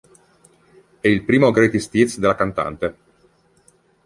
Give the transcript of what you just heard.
È il primo greatest hits della cantante.